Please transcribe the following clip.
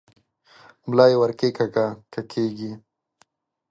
ملا یې ور کښېکاږه که کېږي؟